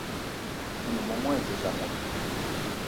One moumoua e zez mot